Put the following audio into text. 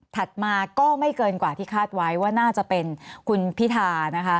มาก็ไม่เกินกว่าที่คาดไว้ว่าน่าจะเป็นคุณพิธานะคะ